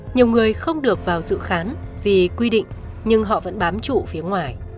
nhiều người không được vào dự khám vì quy định nhưng họ vẫn bám trụ phía ngoài